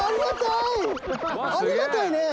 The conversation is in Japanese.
ありがたい。